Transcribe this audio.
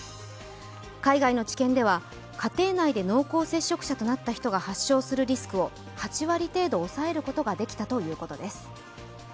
海外の治験では家庭内で濃厚接触者となった人が発症するリスクを８割程度抑えることができたということです。